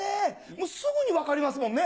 もうすぐに分かりますもんね。